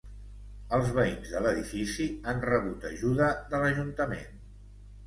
Els veïns de l'edifici han rebut ajuda de l'Ajuntament.